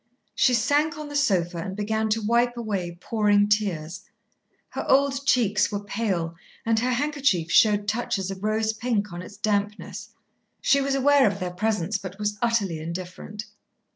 She sank on the sofa and began to wipe away pouring tears. Her old cheeks were pale and her handkerchief showed touches of rose pink on its dampness. She was aware of their presence, but was utterly indifferent.